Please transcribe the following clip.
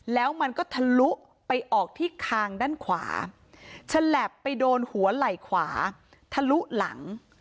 แล้วมันก็ทะลุไปออกที่คางด้านขวาฉลับไปโดนหัวไหล่ขวาทะลุหลัง